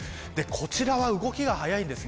こちらは、動きが速いです。